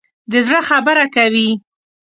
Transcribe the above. د زړه خبره کوي.